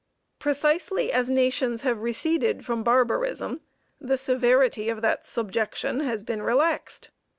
Precisely as nations have receded from barbarism the severity of that subjection has been relaxed.